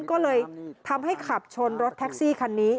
ก็เลยทำให้ขับชนรถแท็กซี่คันนี้